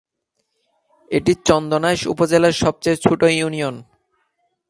এটি চন্দনাইশ উপজেলার সবচেয়ে ছোট ইউনিয়ন।